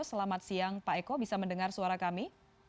selamat siang pak eko bisa mendengar suara kami